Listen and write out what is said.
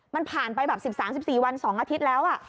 มันผ่านไปแบบ๑๓๑๔วัน๒อาทิตย์แล้ว